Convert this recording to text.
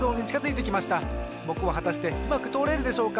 ぼくははたしてうまくとおれるでしょうか。